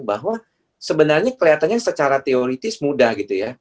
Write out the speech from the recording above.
bahwa sebenarnya kelihatannya secara teoritis mudah gitu ya